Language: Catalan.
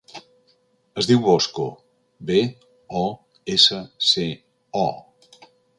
Es diu Bosco: be, o, essa, ce, o.